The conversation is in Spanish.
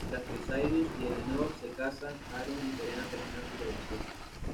Mientras que Cyrus y Eleanor se casan; Aaron y Serena terminan su relación.